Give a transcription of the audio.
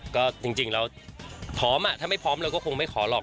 ก็จริงเราพร้อมถ้าไม่พร้อมเราก็คงไม่ขอหรอก